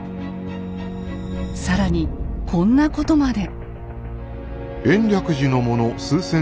更にこんなことまで。